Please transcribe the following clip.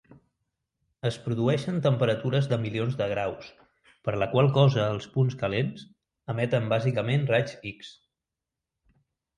Es produeixen temperatures de milions de graus, per la qual cosa els punts calents emeten bàsicament raigs X.